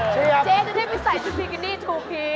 เจ๊จะได้ไปใส่ชุดบิกินี่ถูกผี